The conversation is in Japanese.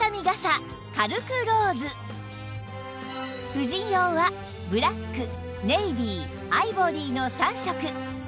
婦人用はブラックネイビーアイボリーの３色